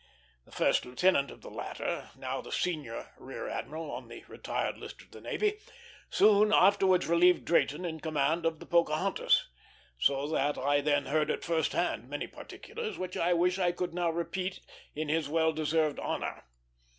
The first lieutenant of the latter, now the senior rear admiral on the retired list of the navy, soon afterwards relieved Drayton in command of the Pocahontas; so that I then heard at first hand many particulars which I wish I could now repeat in his well deserved honor.